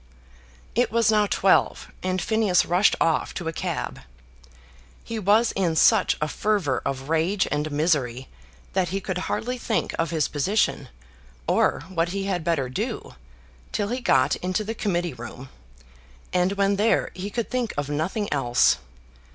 It was now twelve, and Phineas rushed off to a cab. He was in such a fervour of rage and misery that he could hardly think of his position, or what he had better do, till he got into the Committee Room; and when there he could think of nothing else.